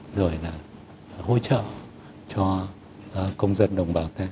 rồi là hỗ trợ cho công dân đồng bào ta